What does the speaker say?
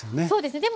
そうです。